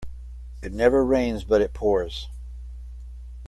It never rains but it pours.